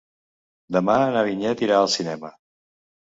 Demà na Vinyet irà al cinema.